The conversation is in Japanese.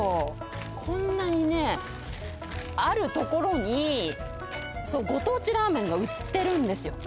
こんなにねあるところにご当地ラーメンが売ってるんですよ